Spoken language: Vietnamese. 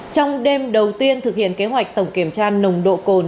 trong đêm đầu tiên thực hiện kế hoạch tổng kiểm tra nồng độ cồn